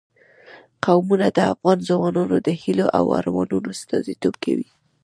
قومونه د افغان ځوانانو د هیلو او ارمانونو استازیتوب کوي.